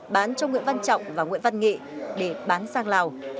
bán cho nguyễn văn trọng và nguyễn văn nghệ để bán sang lào